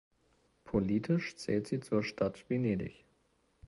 Politisch zählt sie zur Stadt Venedig.